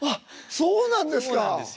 そうなんですよ。